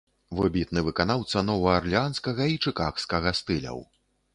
Выбітны выканаўца новаарлеанскага і чыкагскага стыляў.